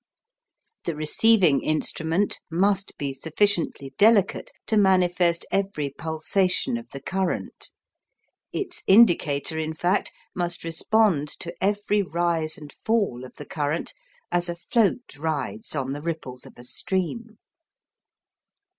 The receiving instrument must be sufficiently delicate to manifest every pulsation of the current. Its indicator, in fact, must respond to every rise and fall of the current, as a float rides on the ripples of a stream.